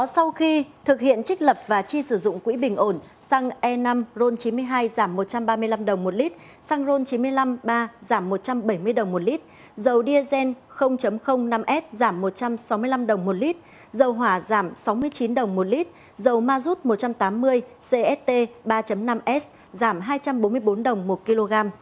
sau khi thực hiện trích lập và chi sử dụng quỹ bình ổn xăng e năm ron chín mươi hai giảm một trăm ba mươi năm đồng một lit xăng ron chín mươi năm ba giảm một trăm bảy mươi đồng một lit dầu diesel năm s giảm một trăm sáu mươi năm đồng một lit dầu hỏa giảm sáu mươi chín đồng một lit dầu mazut một trăm tám mươi cst ba năm s giảm hai trăm bốn mươi bốn đồng một kg